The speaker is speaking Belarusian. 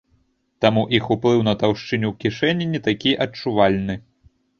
Таму іх уплыў на таўшчыню кішэні не такі адчувальны.